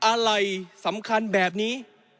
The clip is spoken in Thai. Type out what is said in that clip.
อะไรสำคัญแบบนี้